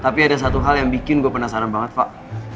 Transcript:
tapi ada satu hal yang bikin gue penasaran banget pak